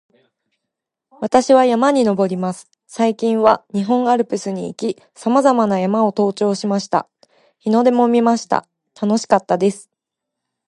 私は山に登ります。最近は日本アルプスに行き、さまざまな山を登頂しました。日の出も見ました。楽しかったです